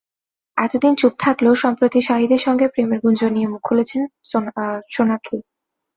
এতদিন চুপ থাকলেও, সম্প্রতি শাহিদের সঙ্গে প্রেমের গুঞ্জন নিয়ে মুখ খুলেছেন সোনাক্ষী।